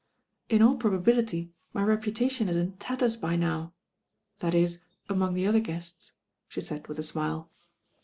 Jl^ »^[ probability my reputation is in tatters by now; that is, among the other guests," she said with a smile.